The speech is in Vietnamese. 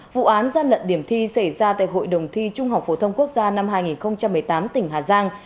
vụ án gian lận điểm thi xảy ra tại hội đồng thi trung học phổ thông quốc gia năm hai nghìn một mươi tám tỉnh hà giang